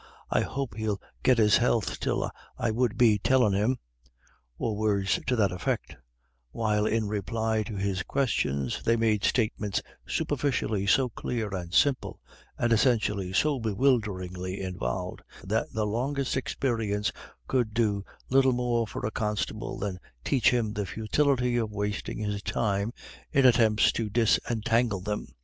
I hope he'll get his health till I would be tellin' him," or words to that effect; while in reply to his questions, they made statements superficially so clear and simple, and essentially so bewilderingly involved, that the longest experience could do little more for a constable than teach him the futility of wasting his time in attempts to disentangle them.